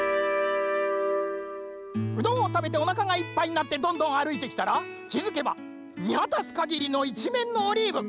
うどんをたべておなかがいっぱいになってどんどんあるいてきたらきづけばみわたすかぎりのいちめんのオリーブ。